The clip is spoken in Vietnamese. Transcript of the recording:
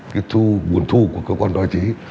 cái buồn thu của cơ quan báo chí